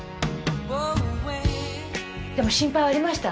でも心配はありました？